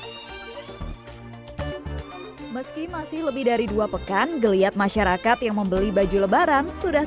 hai meski masih lebih dari dua pekan geliat masyarakat yang membeli baju lebaran sudah